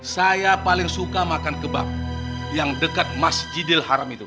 saya paling suka makan kebab yang dekat masjidil haram itu